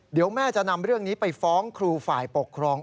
เดี๋ยวแม่จะนำเรื่องนี้ไปฟ้องครูฝ่ายปกครอง